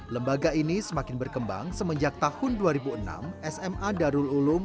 lembaga ini semakin berkembang semenjak tahun dua ribu enam sma darul ulum